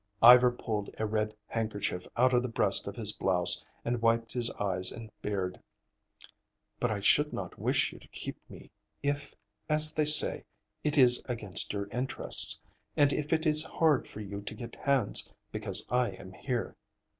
Ivar pulled a red handkerchief out of the breast of his blouse and wiped his eyes and beard. "But I should not wish you to keep me if, as they say, it is against your interests, and if it is hard for you to get hands because I am here."